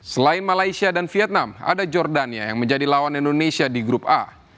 selain malaysia dan vietnam ada jordania yang menjadi lawan indonesia di grup a